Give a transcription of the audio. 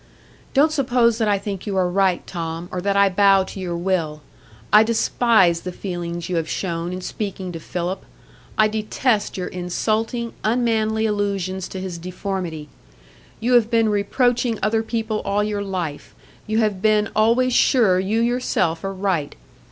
"Don't suppose that I think you are right, Tom, or that I bow to your will. I despise the feelings you have shown in speaking to Philip; I detest your insulting, unmanly allusions to his deformity. You have been reproaching other people all your life; you have been always sure you yourself are right.